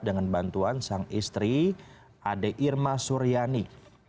dengan bantuan sang istri ade irma suryani